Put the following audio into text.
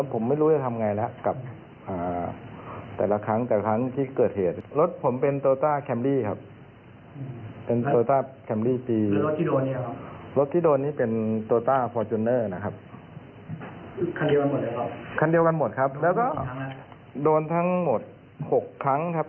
ผมไม่เคยไปสกลนกร